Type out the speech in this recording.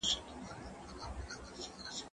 دا ږغ له هغه ښه دی،